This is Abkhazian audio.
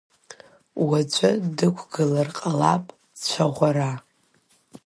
Уаҵәы дықәгылар ҟалап цәаӷәара.